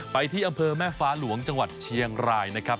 ไปที่อำเภอแม่ฟ้าหลวงจังหวัดเชียงรายนะครับ